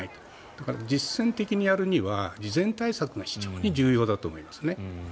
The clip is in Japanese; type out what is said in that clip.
だから、実践的にやるには事前対策が非常に重要だと思いますよね。